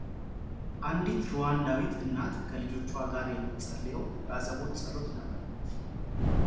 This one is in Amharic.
አንዲት ሩዋንዳዊት እናት ከልጆችዋ ጋር የምትጸልየው የአዘቦት ጸሎት ነበር።